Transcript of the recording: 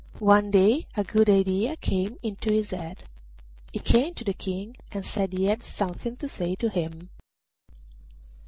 One day a good idea came into his head. He came to the King and said he had something to say to him.